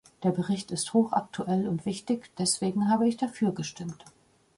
Der Bericht ist hochaktuell und wichtig, deswegen habe ich dafür gestimmt.